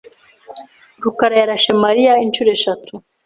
rukarayarashe Mariya inshuro eshatu.